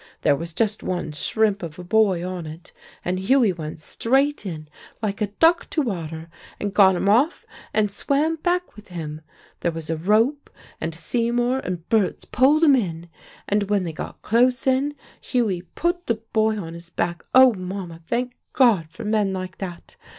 There was just one shrimp of a boy on it, and Hughie went straight in, like a duck to water, and got him off and swam back with him. There was a rope and Seymour and Berts pulled him in. And when they got close in, Hughie put the boy on his back oh, Mama, thank God for men like that!